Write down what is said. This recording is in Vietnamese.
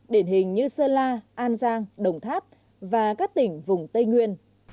đền hình như sơ la an giang đồng tháp và các tỉnh vùng tây nguyên